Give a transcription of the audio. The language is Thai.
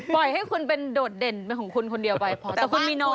ปล่อยให้คุณเป็นโดดเด่นเป็นของคุณคนเดียวไปพอแต่คุณมีน้อย